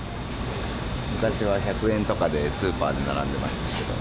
昔は１００円とかでスーパーで並んでたんですけど。